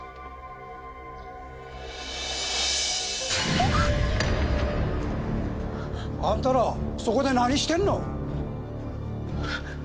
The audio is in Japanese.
キャッ！あんたらそこで何してるの？